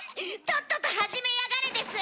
とっとと始めやがれです。